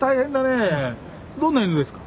どんな犬ですか？